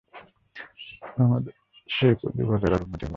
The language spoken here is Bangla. আমাদের সেই কদুকলের আর উন্নতি হল না।